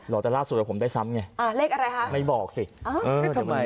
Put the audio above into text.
หลอกจะลาดสูตรผมได้ซ้ำไงอ่าเลขอะไรฮะไม่บอกสิเออทำไม